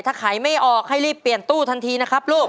ถ้าขายไม่ออกให้รีบเปลี่ยนตู้ทันทีนะครับลูก